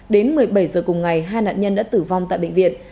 đến một mươi bảy giờ cùng ngày hai nạn nhân đã tử vong tại bệnh viện